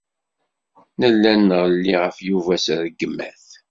Nella nɣelli ɣef Yuba s rregmat.